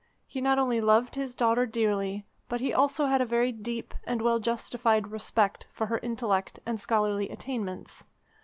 He not only loved his daughter dearly, but he also had a very deep and well justified respect for her intellect and scholarly attainments.